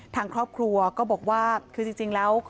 ทางครอบครัวก็บอกว่าคือจริงแล้ว